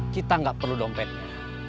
kita gak perlu dompetnya